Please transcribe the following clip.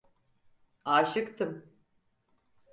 Aşıktım…